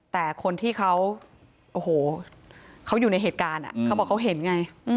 แต่คนที่เขาโอ้โหเขาอยู่ในเหตุการณ์เขาบอกเขาเห็นไง